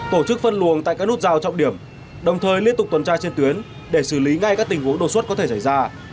tổ chức phân luồng tại các nút giao trọng điểm đồng thời liên tục tuần tra trên tuyến để xử lý ngay các tình huống đột xuất có thể xảy ra